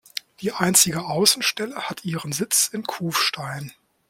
Die einzige Außenstelle hat ihren Sitz in Kufstein.